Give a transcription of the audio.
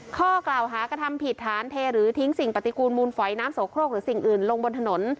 ข้อกล่าวหากระทำผิดฐานเทหรือทิ้งสิ่งปฏิกูลมูลฝอยน้ำโสโครกหรือสิ่งอื่นลงบนถนน